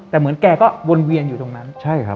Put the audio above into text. แต่เหมือนแกก็วนเวียนอยู่ตรงนั้นใช่ครับ